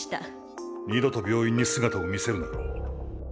二度と病院に姿を見せるな。